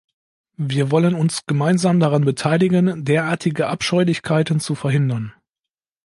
Wir wollen uns gemeinsam daran beteiligen, derartige Abscheulichkeiten zu verhindern.